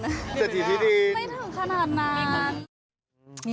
จะถือที่ดินไม่ถึงขนาดนานจริง